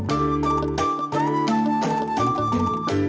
semoga berjalan kembali